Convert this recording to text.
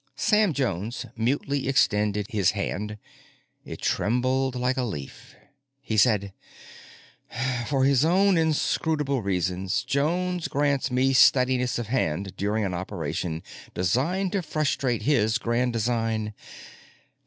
Sam Jones mutely extended his hand. It trembled like a leaf. He said, "For his own inscrutable reason, Jones grants me steadiness of hand during an operation designed to frustrate his grand design.